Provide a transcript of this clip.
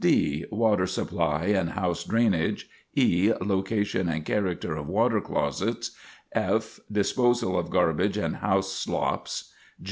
d. Water supply and house drainage. e. Location and character of water closets. f. Disposal of garbage and house slops.